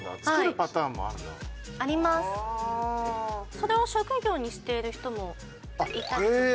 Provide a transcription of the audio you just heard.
それを職業にしている人もいたりとか。